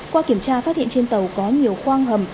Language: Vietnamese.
qua kiểm tra phát hiện trên tàu có nhiều khoang hầm